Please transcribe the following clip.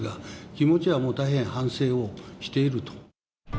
気持ちはもう大変、反省をしていると。